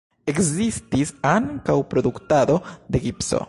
Ekzistis ankaŭ produktado de gipso.